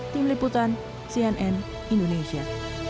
tim liputan cnn indonesia